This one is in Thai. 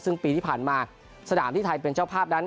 ซึ่งปีที่ผ่านมาสนามที่ไทยเป็นเจ้าภาพนั้น